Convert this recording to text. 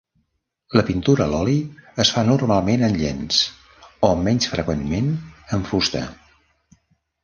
La pintura a l'oli es fa normalment en llenç o, menys freqüentment, en fusta.